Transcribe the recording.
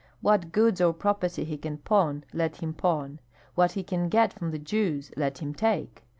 What goods or property he can pawn, let him pawn; what he can get from the Jews, let him take.